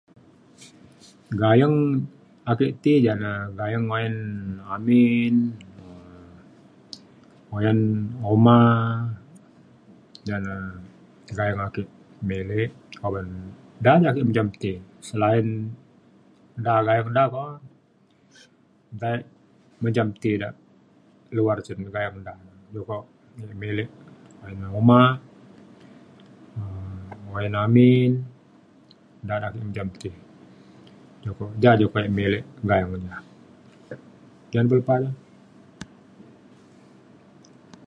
gayeng ake ti jane gayeng oyan amin um oyan oma jane gayeng ake milik oban da ne ake mencam ti, selain da gayeng da ko nta ek mencam ti da luar cung gayeng da. jukuk milik oyan oma um oyan amin da da' ake mencam ti ja jukok ek milik gayang da. jane pe lepa ja.